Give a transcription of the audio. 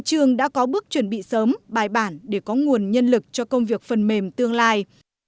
trường đã có bước chuẩn bị sớm bài bản để có nguồn nhân lực cho công việc phần mềm tương lai